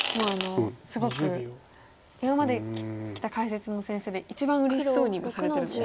すごく今まで来た解説の先生で一番うれしそうに今されてる。